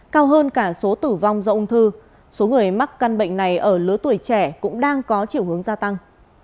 cao hơn cả số tử vong do ung thư số người mắc căn bệnh này ở lứa tuổi trẻ cũng đang có chiều hướng gia tăng